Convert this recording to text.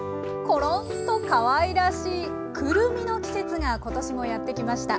コロンとかわいらしいくるみの季節が今年もやって来ました。